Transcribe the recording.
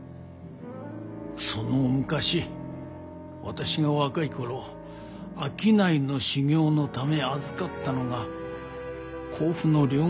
その昔私が若いころ商いの修業のため預かったのが甲府の両替商の娘